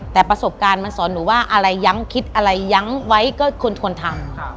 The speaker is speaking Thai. แต่ประสบการณ์มันสอนหนูว่าอะไรยั้งคิดอะไรยั้งไว้ก็ควรทำ